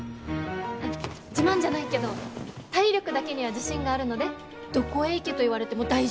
自慢じゃないけど体力だけには自信があるのでどこへ行けと言われても大丈夫です。